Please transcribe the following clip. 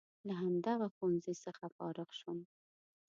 له همدغه ښوونځي څخه فارغ شو.